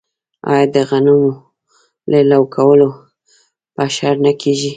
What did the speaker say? آیا د غنمو لو کول په اشر نه کیږي؟